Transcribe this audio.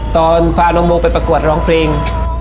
ตอนพาน้องโบไปประกวดร้องเพลง